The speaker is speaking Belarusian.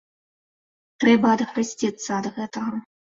Трэба адхрысціцца ад гэтага.